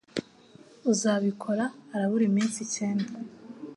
Uzabikora arabura iminsi icyenda